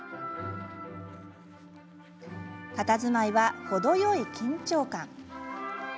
たたずまいは程よい緊張感。